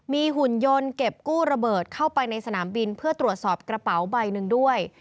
มีหุ่นยนต์เก็บกู้ระเบิดเข้าไปในสนามบินเพื่อตรวจสอบกระเป๋าใบหนึ่งด้วย